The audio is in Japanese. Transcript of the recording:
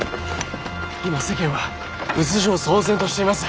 今世間は物情騒然としています。